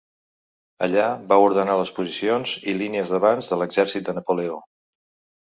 Allà va ordenar les posicions i línies d'avanç de l'exèrcit de Napoleó.